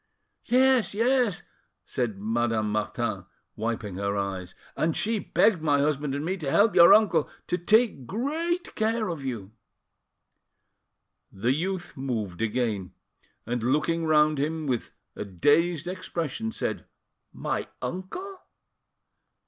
"Yes, yes," said Madame Martin, wiping her eyes; "and she begged my husband and me to help your uncle to take great care of you—" The youth moved again, and looking round him with a dazed expression, said, "My uncle—?"